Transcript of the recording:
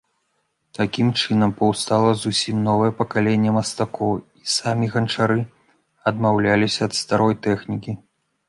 Такім чынам, паўстала зусім новае пакаленне мастакоў, і самі ганчары адмаўляліся ад старой тэхнікі.